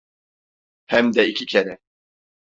Hem de iki kere.